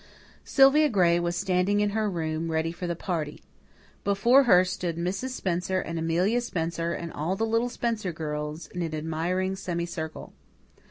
Sylvia Gray was standing in her room, ready for the party. Before her stood Mrs. Spencer and Amelia Spencer and all the little Spencer girls, in an admiring semi circle.